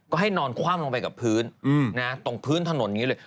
ก็ให้นอนคว่ำลงไปกับพื้นตรงพื้นถนนอย่างนี้เลย